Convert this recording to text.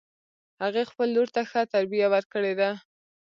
هغې خپل لور ته ښه تربیه ورکړې ده